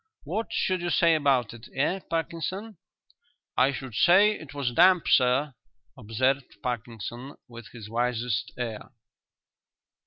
What should you say about it, eh, Parkinson?" "I should say it was damp, sir," observed Parkinson, with his wisest air.